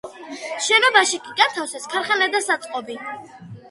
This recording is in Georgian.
შენობაში კი განათავსეს ქარხანა და საწყობი.